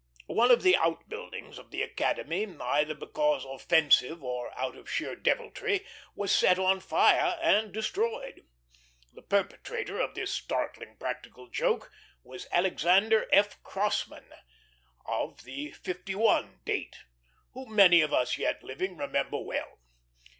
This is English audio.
One of the out buildings of the Academy, either because offensive or out of sheer deviltry, was set on fire and destroyed. The perpetrator of this startling practical joke was Alexander F. Crosman, of the '51 Date, whom many of us yet living remember well.